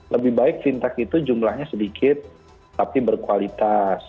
lebih baik fintech itu jumlahnya sedikit tapi berkualitas